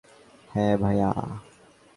হ্যাঁ, ভায়া?